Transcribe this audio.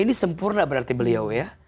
ini sempurna berarti beliau ya